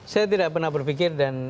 saya tidak pernah berpikir dan